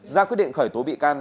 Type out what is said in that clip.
ra quyết định khởi tố bị can